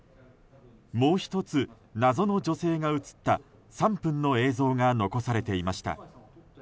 もう１つ、謎の女性が映った３分の映像が残されていました。